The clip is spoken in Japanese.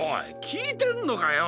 きいてんのかよ！